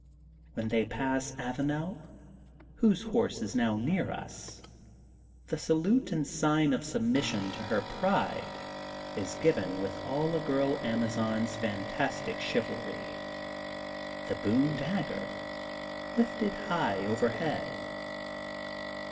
When they pass Avanel, whose horse is now near us, the salute in sign of submission to her pride, is given with all a girl Amazon's fantastic chivalry: the Boone dagger, lifted high overhead.